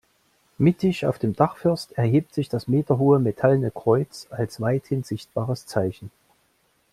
Mittig auf dem Dachfirst erhebt sich das meterhohe metallene Kreuz als weithin sichtbares Zeichen.